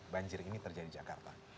banjir ini terjadi di jakarta